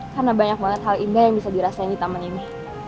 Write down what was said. karena banyak banget hal indah yang bisa dirasain di taman ini